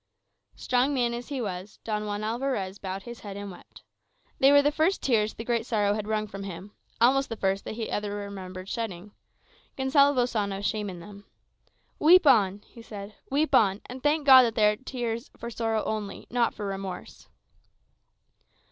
_'" Strong man as he was, Don Juan Alvarez bowed his head and wept. They were the first tears the great sorrow had wrung from him almost the first that he ever remembered shedding. Gonsalvo saw no shame in them. "Weep on," he said "weep on; and thank God that thy tears are for sorrow only, not for remorse."